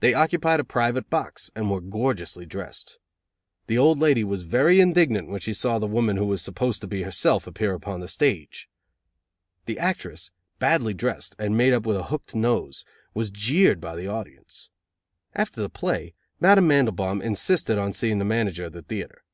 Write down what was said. They occupied a private box, and were gorgeously dressed. The old lady was very indignant when she saw the woman who was supposed to be herself appear on the stage. The actress, badly dressed, and made up with a hooked nose, was jeered by the audience. After the play, Madame Mandelbaum insisted on seeing the manager of the theatre.